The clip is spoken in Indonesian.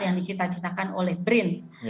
yang dicitakan oleh brind